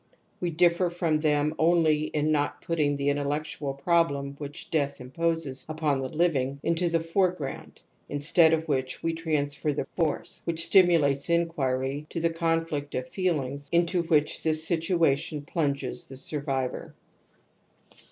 We differ from them only in not putting the intellectual problem which death imposes upon the living into the foreground, instead of which we transfer the force which stimulates inquiry to the conflict of feelings into which this situation plunges the siu'vivor.